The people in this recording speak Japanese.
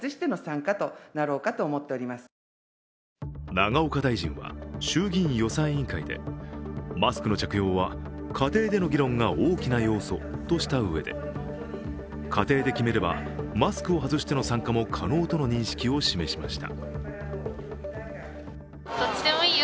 永岡大臣は衆議院予算委員会でマスクの着用は家庭での議論が大きな要素としたうえで家庭で決めればマスクを外しての参加も可能との認識を示しました。